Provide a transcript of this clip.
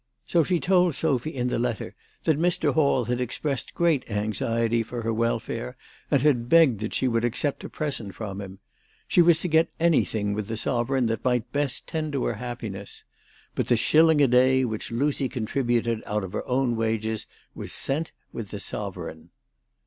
So she told Sophy in the letter that Mr. Hall had expressed great anxiety for her welfare, and had begged that she would accept a present from him. She was to get anything with the sovereign that might best tend to her happiness. But the shilling a day which Lucy contributed out of her own wages was sent with the sovereign.